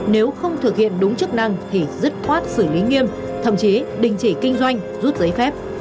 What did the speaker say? nếu không thực hiện đúng chức năng thì dứt khoát xử lý nghiêm thậm chí đình chỉ kinh doanh rút giấy phép